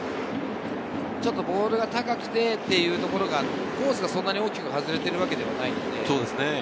ちょっとボールが高くてというところが、コースはそんなに大きく外れているわけではないんです。